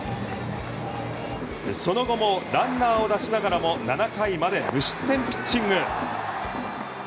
その後もランナーを出しながらも７回まで無失点ピッチング。